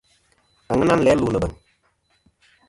Àŋena nɨ̀n læ lu nɨ̀ bèŋ.